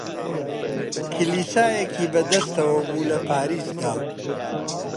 کلیسایەکی بە دەستەوە بوو لە پاریسدا